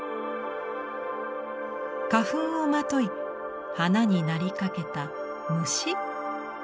花粉をまとい花になりかけた虫？